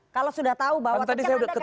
kalau sudah tahu bahwa tadi kan anda katakan